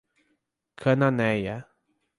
Cananéia